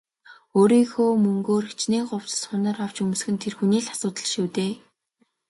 Өөрийнхөө мөнгөөр хэчнээн хувцас хунар авч өмсөх нь тэр хүний л асуудал шүү дээ.